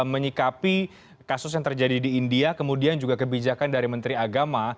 menyikapi kasus yang terjadi di india kemudian juga kebijakan dari menteri agama